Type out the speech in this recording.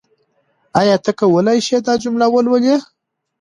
آیا ته کولای شې دا جمله ولولې؟